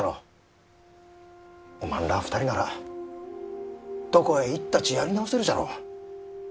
おまんらあ２人ならどこへ行ったちやり直せるじゃろう。